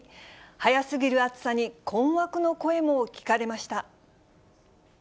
早すぎる暑さに、困惑の声も聞かれました。